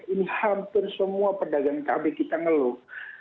ini hampir semua pedagang cabai kita ngeluh